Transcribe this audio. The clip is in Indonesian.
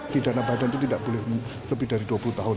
pidana badan itu tidak boleh lebih dari dua puluh tahun